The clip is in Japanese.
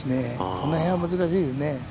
この辺は難しいですね。